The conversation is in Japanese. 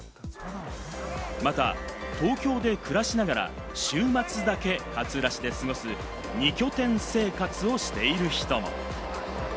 また東京で暮らしながら、週末だけ勝浦市で過ごす二拠点生活をしている人も。